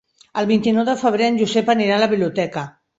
El vint-i-nou de febrer en Josep anirà a la biblioteca.